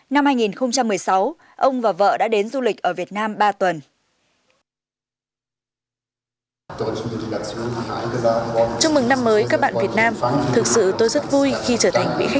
năm hai nghìn một mươi sáu ông và vợ đã đến du lịch ở việt nam ba tuần